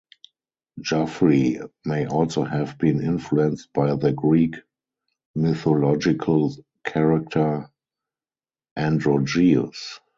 Geoffrey may also have been influenced by the Greek mythological character Androgeus.